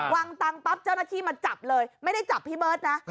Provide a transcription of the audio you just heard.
วางตังค์ปั๊บเจ้าหน้าที่มาจับเลยไม่ได้จับพี่เบิร์ตนะ